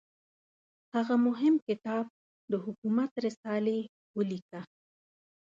هغه مهم کتاب د حکومت رسالې ولیکه.